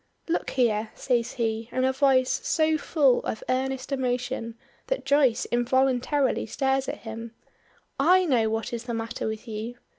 "Look here!" says he, in a voice so full of earnest emotion that Joyce involuntarily stares at him; "I know what is the matter with you.